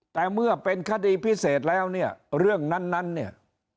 แต่เมื่อเป็นคดีพิเศษแล้วเนี่ยเรื่องนั้นเนี่ย